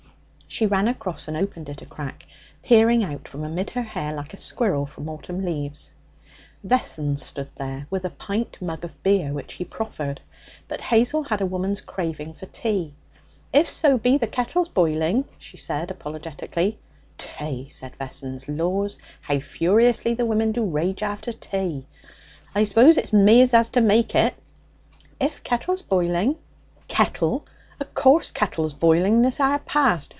She ran across and opened it a crack, peering out from amid her hair like a squirrel from autumn leaves. Vessons stood there with a pint mug of beer, which he proffered. But Hazel had a woman's craving for tea. 'If so be the kettle's boiling,' she said apologetically. 'Tay!' said Vessons. 'Laws! how furiously the women do rage after tay! I s'pose it's me as is to make it?' 'If kettle's boiling.' 'Kettle! O' course kettle's boiling this hour past.